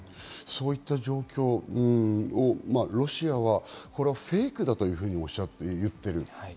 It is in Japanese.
そういった状況をロシアはフェイクだと言っている。